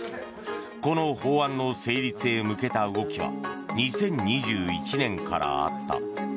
この法案の成立へ向けた動きは２０２１年からあった。